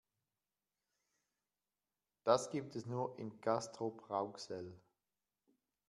Das gibt es nur in Castrop-Rauxel